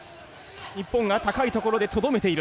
日本が高いところでとどめている。